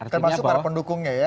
termasuk para pendukungnya ya